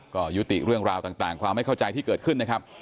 ก็ยุติเรื่องราวต่างความไม่เข้าใจที่เกิดขึ้นนะครับ